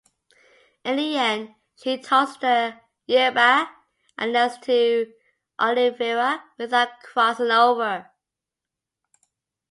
In the end, she tosses the yerba and nails to Oliveira without crossing over.